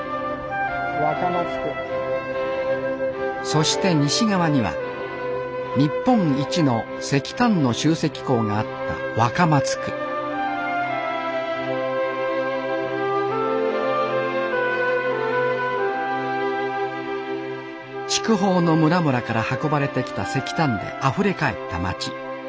そして西側には日本一の石炭の集積港があった筑豊の村々から運ばれてきた石炭であふれかえった町。